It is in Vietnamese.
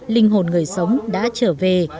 linh hồn người sống đã trở về